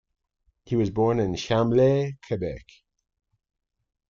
He was born in Chambly, Quebec.